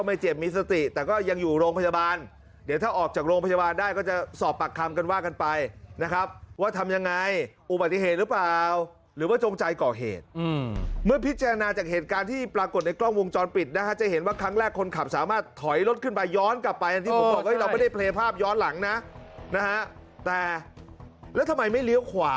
แต่ตอนแรกก็ไม่เจ็บมิสติแต่ก็ยังอยู่โรงพัฒนาบาล